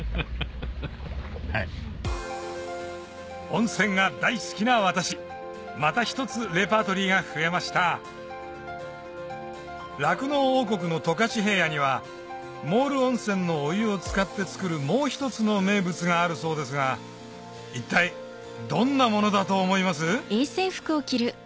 温泉が大好きな私また一つレパートリーが増えました酪農王国の十勝平野にはモール温泉のお湯を使って作るもう一つの名物があるそうですが一体どんなものだと思います？